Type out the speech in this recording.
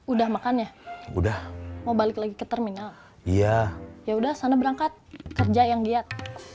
udah makan ya udah mau balik lagi ke terminal iya ya udah sana berangkat kerja yang giat